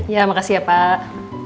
ya makasih ya pak